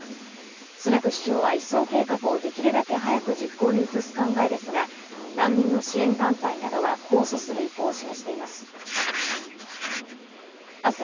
スナク首相は移送計画をできるだけ早く実行に移す考えですが難民の支援団体などは控訴する意向を示しています。